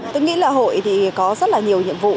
tôi nghĩ là hội thì có rất là nhiều nhiệm vụ